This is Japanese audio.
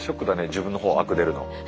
自分のほうアク出るの。